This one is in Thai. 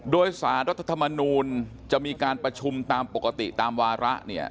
โดยสารรัฐธรรมนูลจะมีการประชุมตามปกติตามวาระเนี่ย